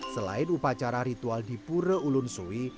selain upacara ritual di pura ulun suwi